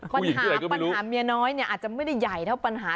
ปัญหาปัญหาเมียน้อยเนี่ยอาจจะไม่ได้ใหญ่เท่าปัญหา